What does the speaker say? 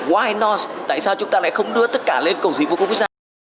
why not tại sao chúng ta lại không đưa tất cả lên cổng dịch vụ công quốc gia